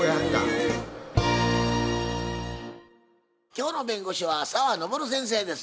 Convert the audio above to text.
今日の弁護士は澤登先生です。